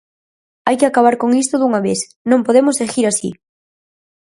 Hai que acabar con isto dunha vez; non podemos seguir así.